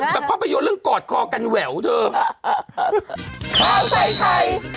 แบบพอไปโยนเรื่องกอดคอกันแหววเถอะ